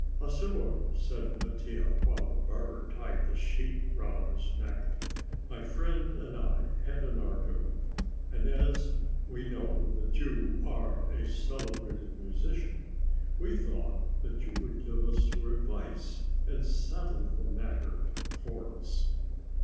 "Monsieur," said Mattia, while the barber tied the sheet round his neck, "my friend and I had an argument, and as we know that you are a celebrated musician, we thought that you would give us your advice and settle the matter for us."